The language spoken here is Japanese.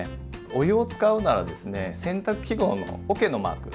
お湯を使うならですね洗濯記号のおけのマーク